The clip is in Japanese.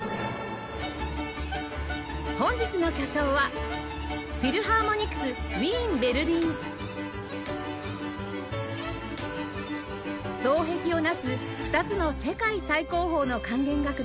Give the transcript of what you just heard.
本日の巨匠は双璧をなす２つの世界最高峰の管弦楽団